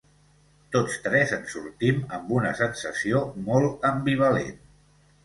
Tots tres en sortim amb una sensació molt ambivalent.